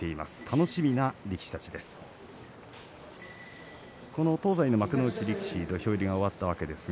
楽しみな力士たちです。